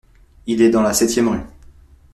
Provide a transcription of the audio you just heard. Il est dans la septième rue.